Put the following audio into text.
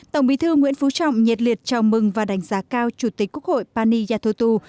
tổng bí thư nguyễn phú trọng nhiệt liệt chào mừng và đánh giá cao chủ tịch quốc hội pani yathotu